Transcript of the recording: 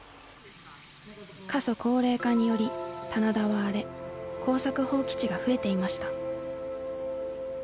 過疎高齢化により棚田は荒れ耕作放棄地が増えていました。